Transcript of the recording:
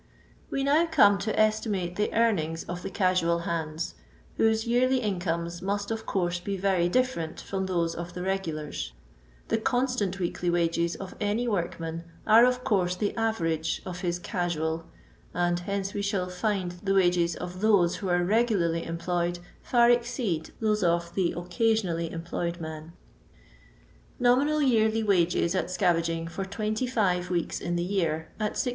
We now come to estimate the earnings of the casual hands, whose yearly incomes must, of course, be very different from those of the regu lars. The consUnU weekly wages of any work man are of course the average of his casual — and hence we sh^ find the wages of those who are regularly employed far exceed those of the occo tUmaUy employed men :—£«. d. Nominal yearly wages at scavagbg for 25 weeks in the year, at 16j.